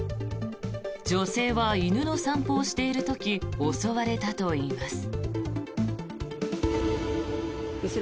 女性は犬の散歩をしている時襲われたといいます。